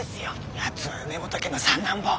やつは梅本家の三男坊。